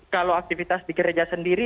kalau aktivitas di gereja sendiri